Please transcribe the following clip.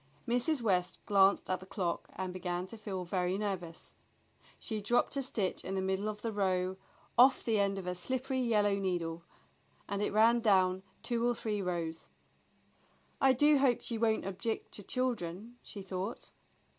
Mrs. West glanced at the clock and began to feel very nervous. She dropped a stitch in the middle of the row, off the end of her slippery yellow needle, and it ran down two or three rows. "I do hope she won't object to children," she thought.